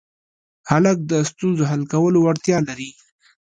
هلک د ستونزو حل کولو وړتیا لري.